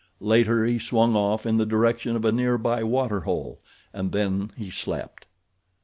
Later he swung off in the direction of a nearby water hole, and then he slept.